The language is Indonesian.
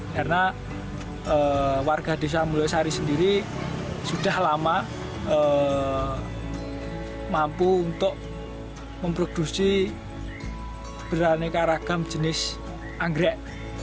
karena warga desa mulesari sendiri sudah lama mampu untuk memproduksi beraneka ragam jenis anggrek